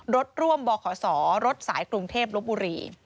๑๒๑๐๓รถร่วมบขรถสายกรุงเทพฯรถบุรี